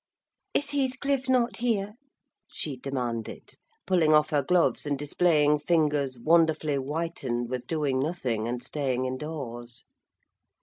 "Is Heathcliff not here?" she demanded, pulling off her gloves, and displaying fingers wonderfully whitened with doing nothing and staying indoors.